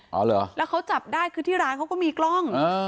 อ๋อเหรอแล้วเขาจับได้คือที่ร้านเขาก็มีกล้อง